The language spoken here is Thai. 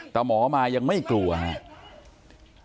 แต่หมอมายังไม่กลัวครับ